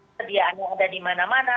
sediaan yang ada di mana mana